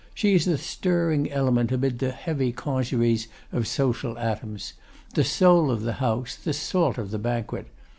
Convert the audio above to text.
She is the stirring element amid the heavy congeries of social atoms; the soul of the house, the salt of the banquet.